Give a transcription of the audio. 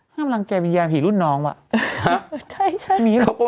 ห้ามรังแก่วิญญาณผีรุ่นน้องว่ะใช่ใช่